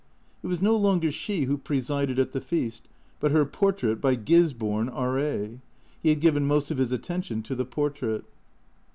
It was no longer she who presided at the feast, but her portrait by Gisborne, R.A. He had given most of his attention to the portrait.